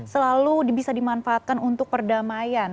selalu bisa dimanfaatkan untuk perdamaian